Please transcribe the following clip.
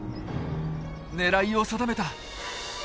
狙いを定めた！